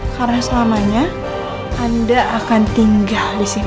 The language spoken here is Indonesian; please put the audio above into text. karena selamanya anda akan tinggal di sini